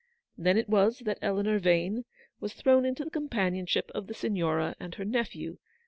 Then it was that Eleanor Vane was thrown into the companionship of the Signora and her nephew.